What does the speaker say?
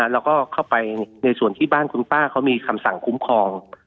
แล้วก็เข้าไปในส่วนที่บ้านคุณป้าเขามีคำสั่งคุ้มครอง